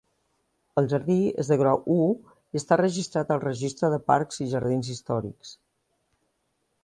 El jardí és de grau u i està registrat al Registre de parcs i jardins històrics.